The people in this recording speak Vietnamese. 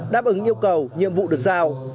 đáp ứng yêu cầu nhiệm vụ được giao